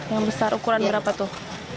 yang besar ukuran berapa tuh